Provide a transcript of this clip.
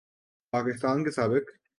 پاکستان کے سابق